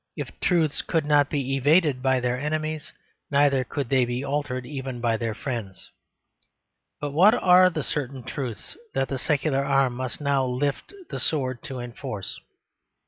If truths could not be evaded by their enemies, neither could they be altered even by their friends. But what are the certain truths that the secular arm must now lift the sword to enforce?